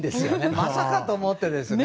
まさかと思ってですね。